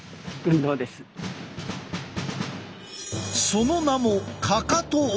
その名もかかと落とし。